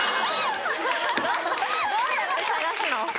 ・どうやって探すの？